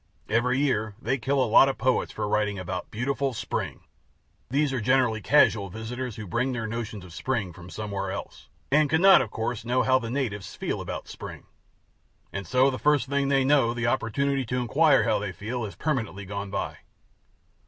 Every year they kill a lot of poets for writing about �Beautiful Spring.� These are generally casual visitors, who bring their notions of spring from somewhere else, and cannot, of course, know how the natives feel about spring. And so the first thing they know the opportunity to inquire how they feel has permanently gone by.